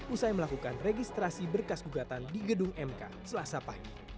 usai melakukan registrasi berkas gugatan di gedung mk selasa pagi